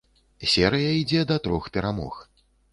Серыя ідзе да трох перамог.